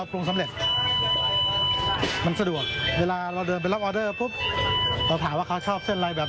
ใครแบบเอาแบบรสชาติ